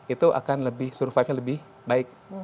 itu akan lebih survival lebih baik